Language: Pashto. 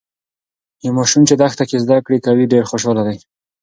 یو ماشوم چې دښته کې زده کړې کوي، ډیر خوشاله دی.